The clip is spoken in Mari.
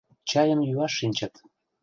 Чайым йӱаш шинчыт.